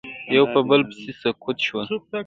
یو په بل پسې سقوط شول